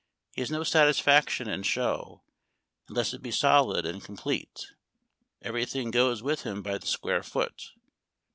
He has no satisfac tion in show, unless it be solid and complete. Every thing goes with him by the square foot.